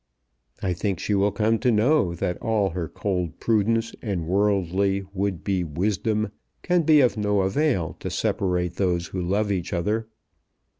I think she will come to know that all her cold prudence and worldly would be wisdom can be of no avail to separate those who love each other.